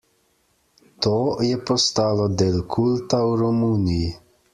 To je postalo del kulta v Romuniji.